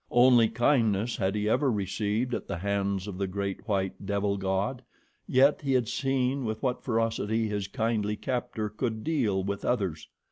Only kindness had he ever received at the hands of the great white devil god, yet he had seen with what ferocity his kindly captor could deal with others.